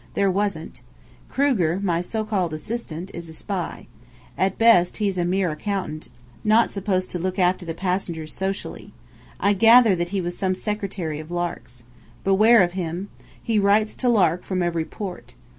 There wasn't. Kruger, my so called assistant, is a spy. At best, he's a mere accountant, not supposed to look after the passengers socially. I gather that he was some secretary of Lark's. Beware of him. He writes to Lark from every port.